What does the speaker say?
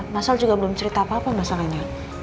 masal juga belum cerita apa apa masalahnya